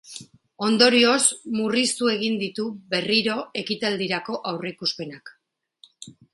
Ondorioz, murriztu egin ditu berriro ekitaldirako aurreikuspenak.